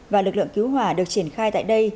và lực lượng cứu hỏa được triển khai tại đây